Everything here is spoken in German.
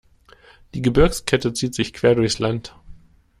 Die Gebirgskette zieht sich quer durchs Land.